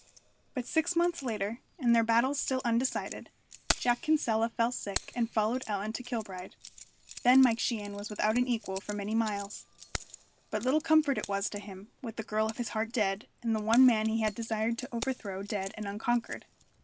But six months later, and their battles still undecided, Jack Kinsella fell sick and followed Ellen to Kilbride. Then Mike Sheehan was without an equal for many miles. But little comfort it was to him, with the girl of his heart dead, and the one man he had desired to overthrow dead and unconquered.